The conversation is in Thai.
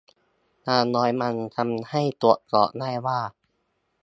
อย่างน้อยมันทำให้ตรวจสอบได้ว่า